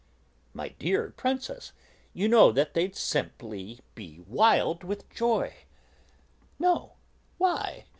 "My dear Princess, you know that they'd be simply wild with joy." "No, why?"